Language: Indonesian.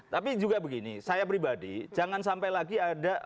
tapi juga begini saya pribadi jangan sampai lagi ada